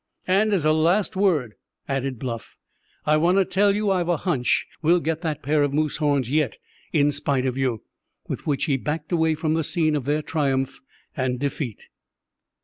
"And as a last word," added Bluff, "I want to tell you I've a hunch we'll get that pair of moose horns yet, in spite of you," with which he backed away from the scene of their triumph and defeat.